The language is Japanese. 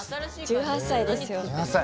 １８歳ですよ私。